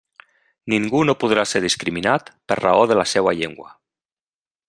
Ningú no podrà ser discriminat per raó de la seua llengua.